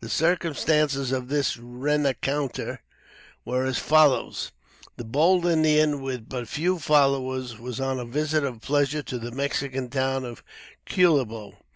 The circumstances of this rencounter were as follows: The bold Indian, with but few followers, was on a visit of pleasure to the Mexican town of Culebro.